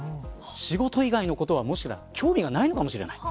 仕事以外のことは、もしかしたら興味がないのかもしれない。